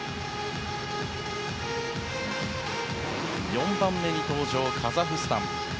４番目に登場、カザフスタン。